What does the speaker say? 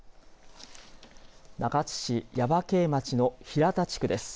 中津市耶馬渓町の平田地区です。